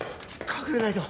隠れないと。